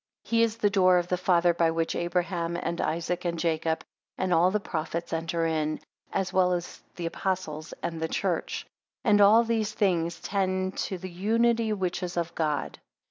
23 He is the door of the Father; by which Abraham, and Isaac, and Jacob, and all the prophets, enter in; as well as the Apostles, and the church. 24 And all these things tend to the unity which is of God.